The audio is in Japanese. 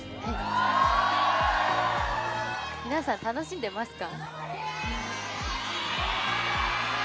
皆さん楽しんでますか？